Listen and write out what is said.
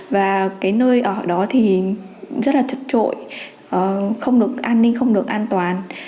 và cái nơi ở đó thì rất là trật trội không được an ninh không được an toàn